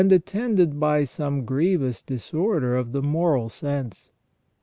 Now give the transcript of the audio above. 7 attended by some grievous disorder of the moral sense.